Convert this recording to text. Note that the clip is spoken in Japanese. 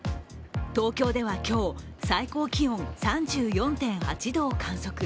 東京では今日、最高気温３４．８度を観測。